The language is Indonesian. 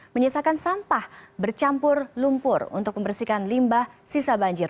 menyisakan sampah bercampur lumpur untuk membersihkan limbah sisa banjir